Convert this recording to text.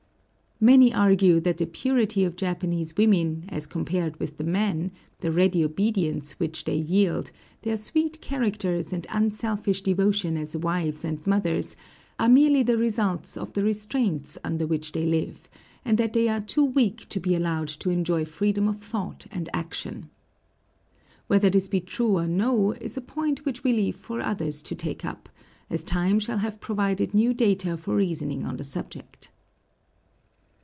Many argue that the purity of Japanese women, as compared with the men, the ready obedience which they yield, their sweet characters and unselfish devotion as wives and mothers, are merely the results of the restraint under which they live, and that they are too weak to be allowed to enjoy freedom of thought and action. Whether this be true or no is a point which we leave for others to take up, as time shall have provided new data for reasoning on the subject.